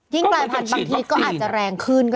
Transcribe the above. ยิ่งกลายพันบางทีก็อาจจะแรงขึ้นก็ได้